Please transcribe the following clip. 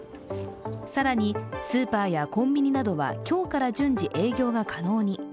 更にスーパーやコンビニなどは今日から順次営業が可能に。